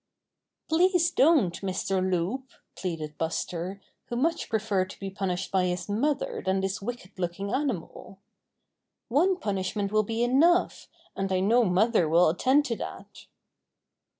"Please don't, Mr. Loup," pleaded Buster, who much preferred to be punished by his mother than this wicked looking animal. "One punishment will be enough, and I know mother will attend to that."